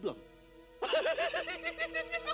janganlah kau berguna